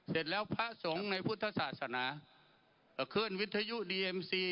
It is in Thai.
เสร็จแล้วพระสงฆ์ในพุทธศาสนาขึ้นวิทยุดีเอ็มซี